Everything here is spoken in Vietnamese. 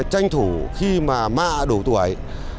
tranh thủ khi mà mạ đủ tuổi